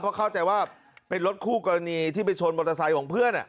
เพราะเข้าใจว่าเป็นรถคู่กรณีที่ไปชนมอเตอร์ไซค์ของเพื่อน